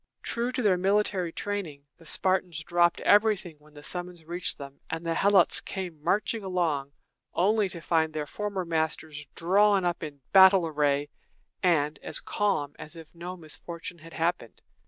True to their military training, the Spartans dropped everything when the summons reached them; and the Helots came marching along, only to find their former masters drawn up in battle array, and as calm as if no misfortune had happened.